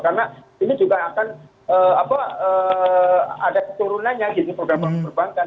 karena ini juga akan ada keturunannya gitu program perbankan